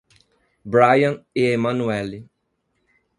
Bryan e Emanuelly